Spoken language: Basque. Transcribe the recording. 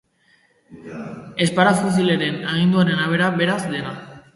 Sparafucileren aginduaren arabera, beraz, dena.